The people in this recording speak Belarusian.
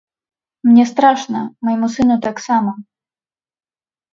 Мне страшна, майму сыну таксама.